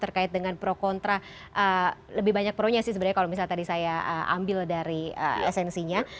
terkait dengan pro kontra lebih banyak pronya sih sebenarnya kalau misalnya tadi saya ambil dari esensinya